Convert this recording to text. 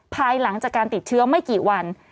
ภายหลังจากการติดเชื้อไม่กี่วัน